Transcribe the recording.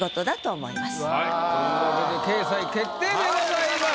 うわ。というわけで掲載決定でございます。